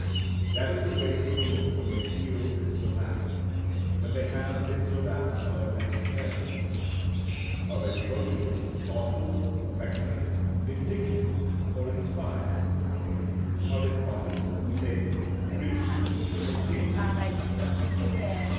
That is the way people look when they feel this or that when they have this or that other mental character: are they devotional, thoughtful, affectionate, indignant, or inspired? are they prophets, saints, priests, or kings?